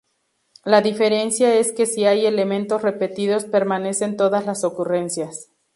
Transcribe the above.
La diferencia es que si hay elementos repetidos permanecen todas las ocurrencias.